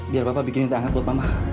biar papa bikin inti hangat buat mama